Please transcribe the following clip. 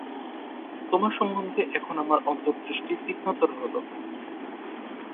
তোমার সম্বন্ধে এখন আমার অন্তর্দৃষ্টি তীক্ষ্ণতর হল।